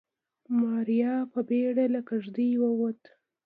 ماريا په بيړه له کېږدۍ ووته.